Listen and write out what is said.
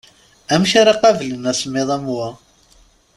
Amek ara qablen asemmiḍ am wa?